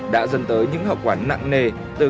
đã dần tới những hậu quả nặng nề từ các cuộc chiến tranh